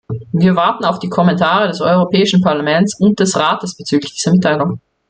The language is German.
Wir warten auf die Kommentare des Europäischen Parlaments und des Rates bezüglich dieser Mitteilung.